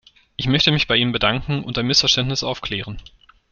Ich möchte mich bei Ihnen bedanken und ein Missverständnis aufklären.